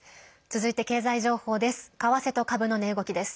続いて経済情報です。